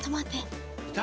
いた。